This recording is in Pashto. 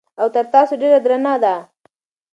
او تر تاسو ډېره درنه ده